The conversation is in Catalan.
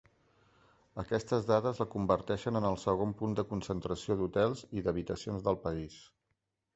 Aquestes dades la converteixen en el segon punt de concentració d'hotels i d'habitacions del país.